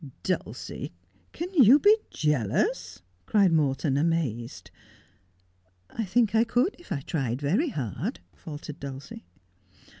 ' Dulcie, can vou be jealous?' cried Morton, amazed. ' I think I could if I tried veiy hard,' faltered Dulcie.